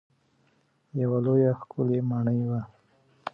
یوه لویه ښکلې ماڼۍ وه.